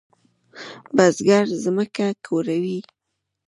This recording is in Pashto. بزګر زمکه کوري.